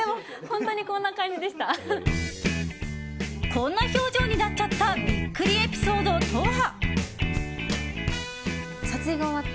こんな表情になっちゃったビックリエピソードとは？